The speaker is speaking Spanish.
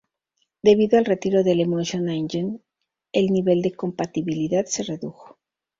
Debido al retiro del "Emotion Engine", el nivel de compatibilidad se redujo.